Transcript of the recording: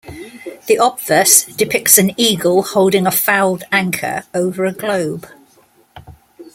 The obverse depicts an eagle holding a fouled anchor over a globe.